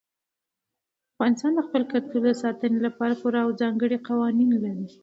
افغانستان د خپل کلتور د ساتنې لپاره پوره او ځانګړي قوانین لري.